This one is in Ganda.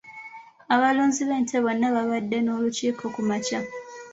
Abalunzi b'ente bonna baabadde n'olukiiko kumakya .